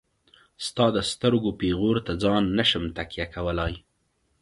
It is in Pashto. ستا د سترګو پيغور ته ځان نشم تکيه کولاي.